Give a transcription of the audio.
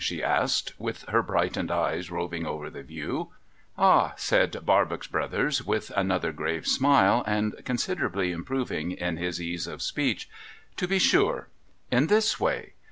she asked, with her hrightened eyes roving over the view. ' Ah !' said }5arbox Ikothers with another grave smile, and con siderably imi)roving in his ease of speech. ' To be sure. In this way.